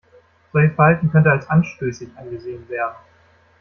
Solches Verhalten könnte als anstößig angesehen werden.